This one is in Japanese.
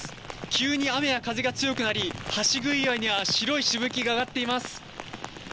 急に雨や風が強くなり、橋杭岩には白いしぶきが上がっています。